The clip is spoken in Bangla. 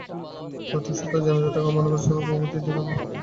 বৈঠক সূত্র জানায়, ঢাকা মহানগর কমিটি দুইভাগে ভাগ করার বিষয়ে আলোচনা হয়েছে।